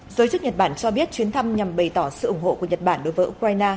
giới chức nhật bản cho biết chuyến thăm nhằm bày tỏ sự ủng hộ của nhật bản đối với ukraine